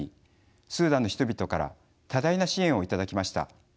スーダンの人々から多大な支援を頂きました。